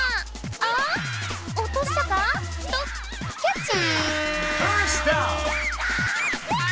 あ⁉落としたか⁉っとキャッチ！